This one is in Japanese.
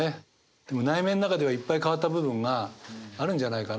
でも内面中ではいっぱい変わった部分があるんじゃないかなっていう。